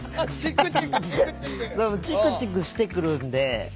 チクチクしてくるんで。